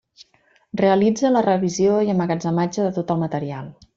Realitza la revisió i emmagatzematge de tot el material.